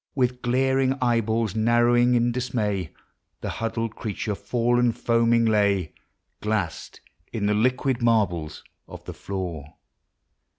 With glaring eyeballs narrowing in dismay, The huddled creature fallen foaming lay, Glass'd in the liquid marbles of the floor.